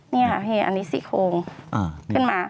นี่ค่ะอันนี้สี่โครงขึ้นมา